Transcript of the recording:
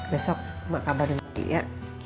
besok mak kabar dulu ya